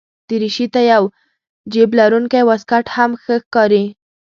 دریشي ته یو جېب لرونکی واسکټ هم ښه ښکاري.